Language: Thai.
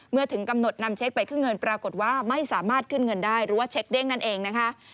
ถึงกำหนดนำเช็คไปขึ้นเงินปรากฏว่าไม่สามารถขึ้นเงินได้หรือว่าเช็คเด้งนั่นเองนะคะ